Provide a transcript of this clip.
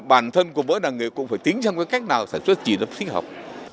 bản thân của mỗi làng nghề cũng phải tính sang cách nào sản xuất chỉ đáp thích hợp